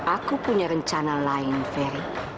aku punya rencana lain ferry